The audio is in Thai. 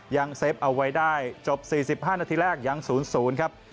เซฟเอาไว้ได้จบ๔๕นาทีแรกยัง๐๐ครับ